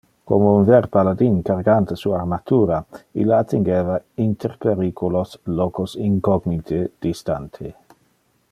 Como un ver paladin cargante su armatura ille attingeva, inter periculos, locos incognite, distante.